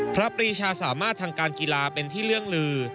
ปรีชาสามารถทางการกีฬาเป็นที่เรื่องลือ